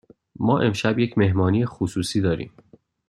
ما امشب یک مهمانی خصوصی داریم.